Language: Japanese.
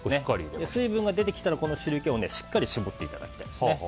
水分が出てきたら、この汁気をしっかり絞っていただきたいんですね。